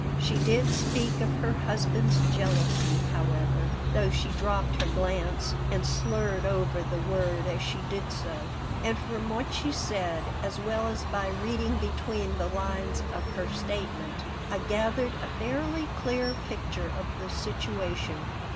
She did speak of her husband's jealousy, however (though she dropped her glance and slurred over the word as she did so); and from what she said, as well as by reading between the lines of her statement, I gathered a fairly clear picture of the situation.